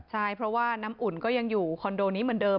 ใช่เพราะว่าน้ำอุ่นก็ยังอยู่คอนโดนี้เหมือนเดิม